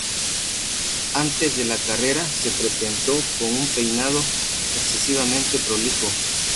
Antes de la carrera, se presentó con un peinado excesivamente prolijo.